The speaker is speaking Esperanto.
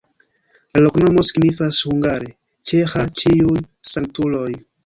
La loknomo signifas hungare: "ĉeĥa-ĉiuj-sanktuloj".